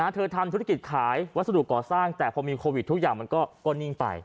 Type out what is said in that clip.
ทำธุรกิจขายวัสดุก่อสร้างแต่พอมีโควิดทุกอย่างมันก็นิ่งไป